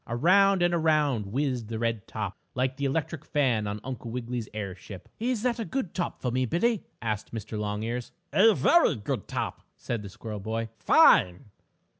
Around and around whizzed the red top, like the electric fan on Uncle Wiggily's airship. "Is that a good top for me, Billie?" asked Mr. Longears. "A very good top," said the squirrel boy. "Fine!"